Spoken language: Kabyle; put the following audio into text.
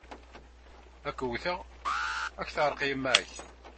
Ad k-wwteɣ, ad ak-teεreq yemma-k!